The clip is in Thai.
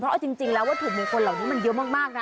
เพราะจริงแล้วว่าถุงมือคนเหล่านี้มันเยอะมากนะ